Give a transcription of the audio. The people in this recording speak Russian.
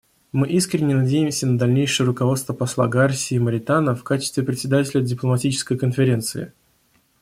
Мы искренне надеемся на дальнейшее руководство посла Гарсии Моритана в качестве Председателя Дипломатической конференции.